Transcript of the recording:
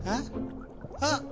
あっ！